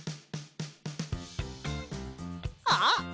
あっ！